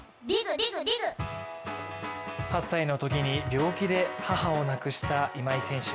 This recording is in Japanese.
８歳のときに病気で母を亡くした今井選手。